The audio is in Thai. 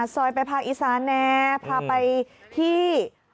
ซอยไปพาอีซาแนพาไปที่